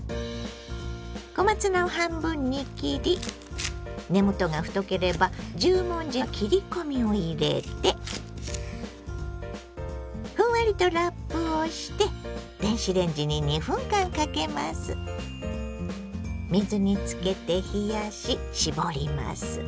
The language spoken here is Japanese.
小松菜を半分に切り根元が太ければ十文字の切り込みを入れてふんわりとラップをして水につけて冷やし絞ります。